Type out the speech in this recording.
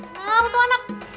kamu tuh anak